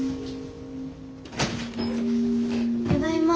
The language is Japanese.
ただいま。